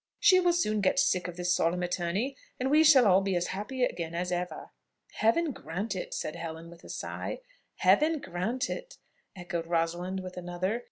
She will soon get sick of the solemn attorney, and we shall all be as happy again as ever." "Heaven grant it!" said Helen with a sigh. "Heaven grant it!" echoed Rosalind with another.